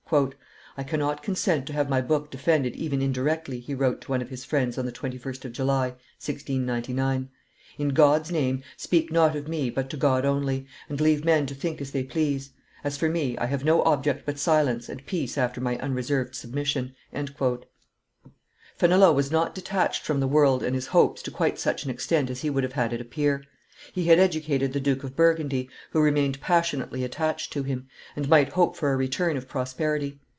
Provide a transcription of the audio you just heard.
"I cannot consent to have my book defended even indirectly," he wrote to one of his friends on the 21st of July, 1699. "In God's name, speak not of me but to God only, and leave men to think as they please; as for me, I have no object but silence and peace after my unreserved submission." Fenelon was not detached from the world and his hopes to quite such an extent as he would have had it appear. He had educated the Duke of Burgundy, who remained passionately attached to him, and might hope for a return of prosperity.